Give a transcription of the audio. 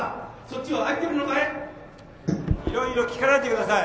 いろいろ聞かないでください。